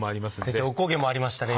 先生お焦げもありましたね